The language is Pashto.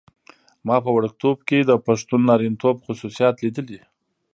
ما په وړکتوب کې د پښتون نارینتوب خصوصیات لیدلي.